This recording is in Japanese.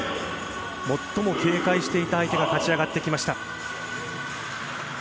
最も警戒していた相手が立ちはだかってきました。